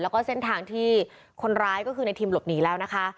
แล้วก็เส้นทางที่คนร้ายก็คือในทิมหลบหนีแล้วนะคะ